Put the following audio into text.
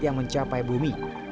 yang mencapai bumi